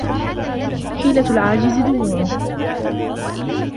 حيلة العاجز دموعه